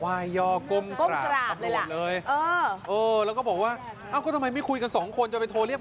ผมอายุมากแล้วผมติดคุกผมไม่กลัวหรอก